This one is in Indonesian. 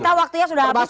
kita waktunya sudah habis